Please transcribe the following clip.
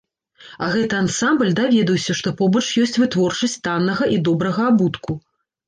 А гэты ансамбль даведаўся, што побач ёсць вытворчасць таннага і добрага абутку.